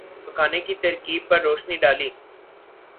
پکانے کی ترکیب پر روشنی ڈالی